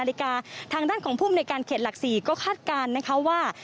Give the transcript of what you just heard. ทางด้านของผู้มือในการเข็ดหลัก๔ก็คาดกันว่า